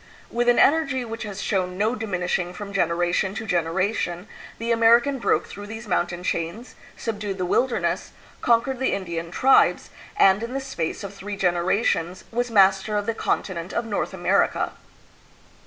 With an energy which has shown no diminishing from generation to generation, the American broke through these mountain chains, subdued the wilderness, conquered the Indian tribes, and in the space of three generations was master of the continent of North America.